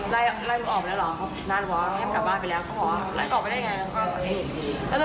ไล่หนูออกไปแล้วเหรอนานบอกว่าให้มันกลับบ้านไปแล้วเขาบอกว่าไล่ออกไปได้ไง